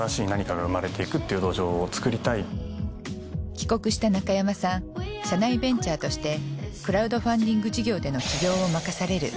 帰国した中山さん社内ベンチャーとしてクラウドファンディング事業での起業を任される。